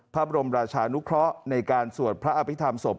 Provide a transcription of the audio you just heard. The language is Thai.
พระบรมราชานุเคราะห์ในการสวดพระอภิษฐรรมศพ